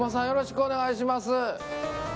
よろしくお願いします。